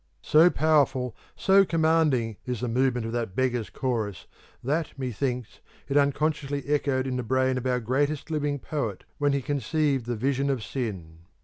So powerful, so commanding, is the movement of that Beggars' Chorus, that, methinks, it unconsciously echoed in the brain of our greatest living poet when he conceived the Vision of Sin.